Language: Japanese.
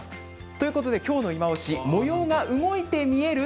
ということで、今日のいまオシ模様が動いて見える？